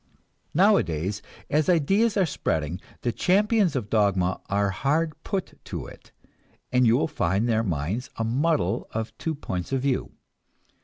Nowadays, as ideas are spreading, the champions of dogma are hard put to it, and you will find their minds a muddle of two points of view.